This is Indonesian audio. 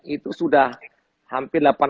itu sudah hampir